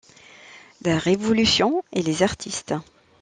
La révolution et les artistes.